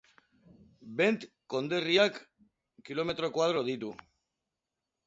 Bent konderriak kilometro koadro ditu.